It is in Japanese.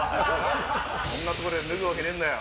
こんな所で脱ぐわけねぇんだよ。